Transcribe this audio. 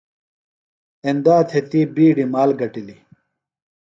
ایندا تھےۡ تی بِیڈیۡ مال گٹِلیۡ۔